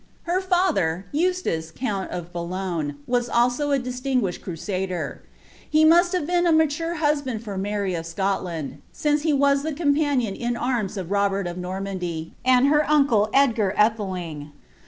Her father, Eustace count of Boulogne, was also a distinguished crusader. He must have been a mature husband for Mary of Scotland, since he was the companion in •nns of Robert of Normandy, and her uncle Edgar Atheling.